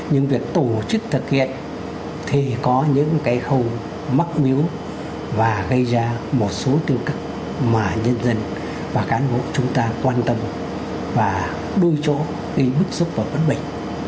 những việc tổ chức thực hiện thì có những cái khâu mắc miếu và gây ra một số tư cực mà nhân dân và cán bộ chúng ta quan tâm và đôi chỗ đi bức xúc và vấn bệnh